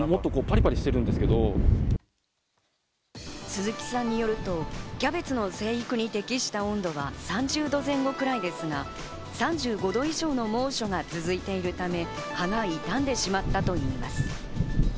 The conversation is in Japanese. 鈴木さんによるとキャベツの生育に適した温度は３０度前後くらいですが、３５度以上の猛暑が続いているため、葉が痛んでしまったといいます。